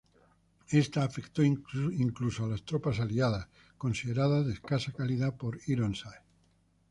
Esta afectó incluso a las tropas Aliadas, consideradas de escasa calidad por Ironside.